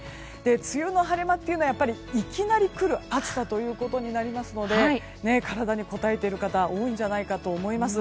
梅雨の晴れ間というのはいきなり来る暑さとなりますので体にこたえている方多いんじゃないかと思います。